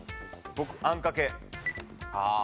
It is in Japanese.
僕あんかけ。